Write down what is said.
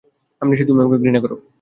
আমি নিশ্চিত তুমি আমাকে ঘৃণা করো।